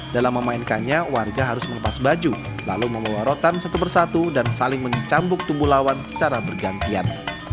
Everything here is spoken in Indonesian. dalam memainkannya warga harus melepas baju lalu membawa rotan satu persatu dan saling mencambuk tumbuh lawan secara bergantian